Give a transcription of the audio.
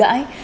đó là cam kết